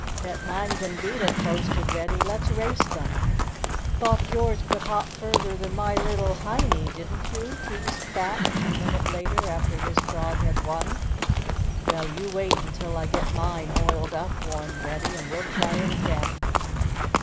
"Bet mine can beat it," boasted Reddy. "Let's race them." "Thought yours could hop further than my little Heinie, didn't you?" teased Fat a minute later after his frog had won. "Well, you wait until I get mine oiled up," warned Reddy, "and we'll try it again."